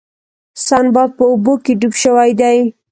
سنباد په اوبو کې ډوب شوی دی.